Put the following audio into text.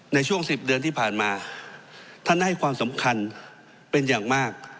ในช่วง๑๐เดือนที่ผ่านมาท่านให้ความสำคัญเป็นอย่างมาก